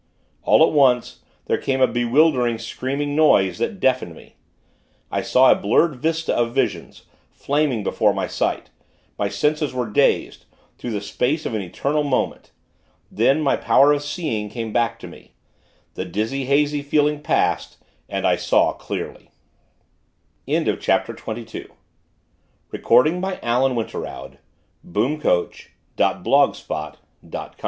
All at once, there came a bewildering, screaming noise, that deafened me. I saw a blurred vista of visions, flaming before my sight. My senses were dazed, through the space of an eternal moment. Then, my power of seeing, came back to me. The dizzy, hazy feeling passed, and I saw, clearly. XXIII PEPPER I was seated in my chair, back again in this old study. My glance wandered 'round the room.